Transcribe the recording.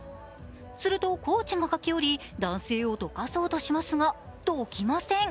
するとコーチが駆け寄り、男性をどかそうとしますが、どきません。